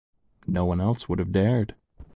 No one else would have dared.